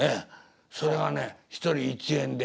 それがね一人１円で。